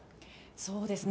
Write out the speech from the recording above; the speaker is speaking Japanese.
そうですね。